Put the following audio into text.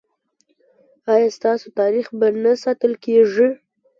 ایا ستاسو تاریخ به نه ساتل کیږي؟